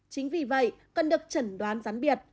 chính vì vậy cần được chẩn đoán gián biệt